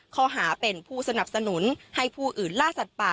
ข้อหาเป็นผู้สนับสนุนให้ผู้อื่นล่าสัตว์ป่า